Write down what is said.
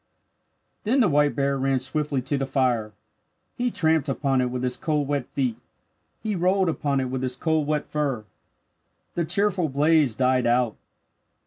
Then the white bear ran swiftly to the fire. He tramped upon it with his cold wet feet. He rolled upon it with his cold wet fur. The cheerful blaze died out.